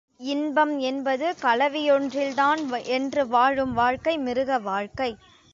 இன்பம் என்பது கலவியொன்றில்தான் என்று வாழும் வாழ்க்கை மிருக வாழ்க்கை.